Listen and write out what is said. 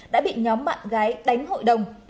đã bị nhóm bạn gái đánh hội đồng